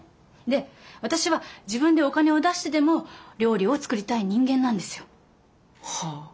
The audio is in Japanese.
で私は自分でお金を出してでも料理を作りたい人間なんですよ。はあ。